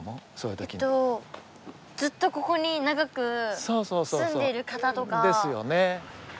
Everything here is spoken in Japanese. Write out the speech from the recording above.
えっとずっとここに長く住んでいる方とか。ですよね。